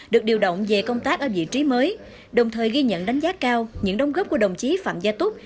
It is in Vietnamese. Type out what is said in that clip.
được điều động về công tác ở vị trí mới đồng thời ghi nhận đánh giá cao những đồng góp của đồng chí phạm gia túc